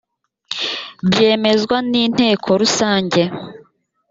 byemezwa n inteko rusange